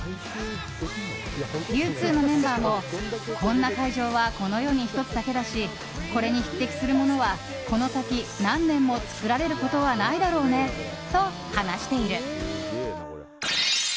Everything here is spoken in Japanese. Ｕ２のメンバーも、こんな会場はこの世に１つだけだしこれに匹敵するものはこの先、何年も造られることはないだろうねと話している。